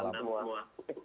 selamat malam semua